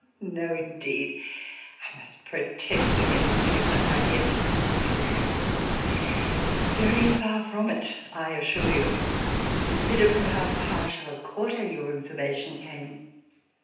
* ''*Ohl no, indeed; I must protest against any such idea. A superior per former I — ^very far from it, I assure you : consider ih>m how partial a quarter your information came.